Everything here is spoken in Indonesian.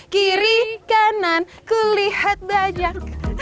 kiri kanan kulihat banyak